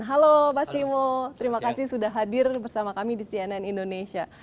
halo mas timo terima kasih sudah hadir bersama kami di cnn indonesia